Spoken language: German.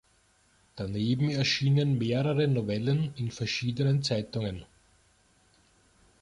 Daneben erschienen mehrere Novellen in verschiedenen Zeitungen.